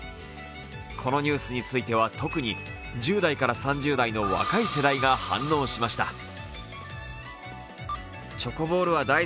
このニュースについては特に１０代から３０代の若い世代が反応しました。